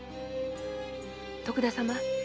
徳田様。